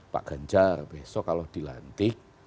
pak ganjar besok kalau dilantik